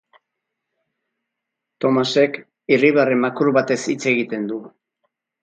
Thomasek irribarre makur batez hitz egiten du.